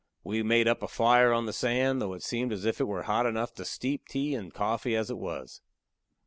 We made up a fire on the sand, though it seemed as if it was hot enough to steep tea and coffee as it was.